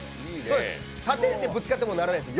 縦でぶつかってもならないです。